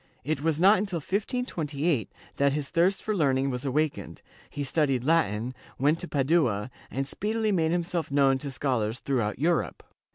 It was not until 1528 that his thirst for learning was awakened, he studied Latin, went to Padua, and speedily made himself known to schol ars throughout Europe.